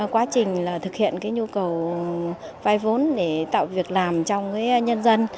quá trình là thực hiện cái nhu cầu vai vốn để tạo việc làm trong cái nhân dân